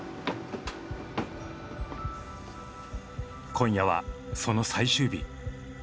今夜はその最終日。